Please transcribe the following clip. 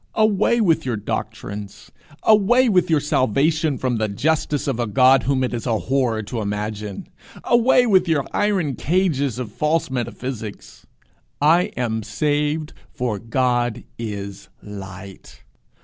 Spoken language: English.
Away with your doctrines! Away with your salvation from the 'justice' of a God whom it is a horror to imagine! Away with your iron cages of false metaphysics! I am saved for God is light!